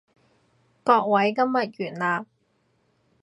各位，今日完啦